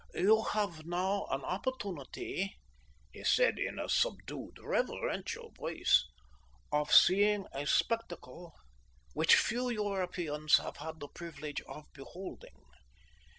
"You have now an opportunity," he said, in a subdued, reverential voice, "of seeing a spectacle which few Europeans have had the privilege of beholding.